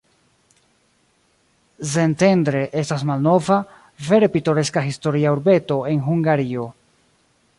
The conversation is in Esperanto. Szentendre estas malnova, vere pitoreska historia urbeto en Hungario.